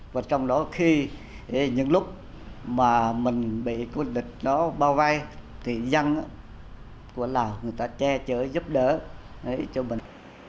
và trong đó khi những lúc mà mình bị cô địch đó bao vây thì dân của lào người ta che chở giúp đỡ cho mình